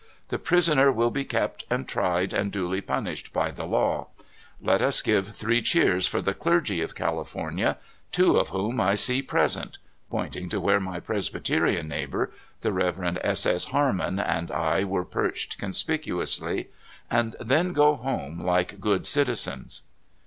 The prisoner will be kept, and tried, and duly pun ished by the law. Let us give three cheers for the clergy of California, two of whom I see pres ent [pointing to where my Presbyterian neighbor, the Rev. S. S. Harmon, and I were perched con spicuously], and then go home like good citizens."